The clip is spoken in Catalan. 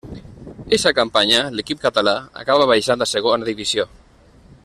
Eixa campanya l'equip català acaba baixant a Segona Divisió.